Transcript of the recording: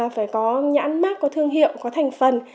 phải có nhãn mát có thương hiệu có thành phần